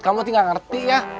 kamu tuh gak ngerti ya